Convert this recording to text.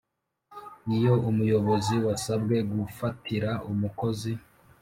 Iyo umuyobozi wasabwe gufatira umukozi